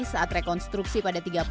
saat rekonstruksi pada tiga puluh